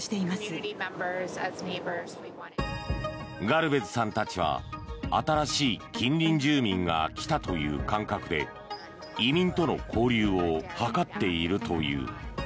ガルベズさんたちは新しい近隣住民が来たという感覚で移民との交流を図っているという。